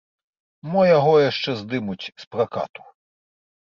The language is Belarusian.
Мо яго яшчэ здымуць з пракату.